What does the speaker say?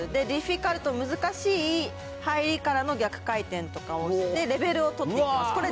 ディフィカルト、難しい入りからの逆回転とかをして、レベルを取っていきます。